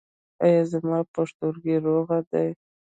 ایا زما پښتورګي روغ دي؟